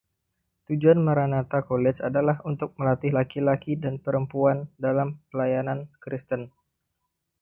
Tujuan Maranatha College adalah untuk melatih laki-laki dan perempuan dalam pelayanan kristen.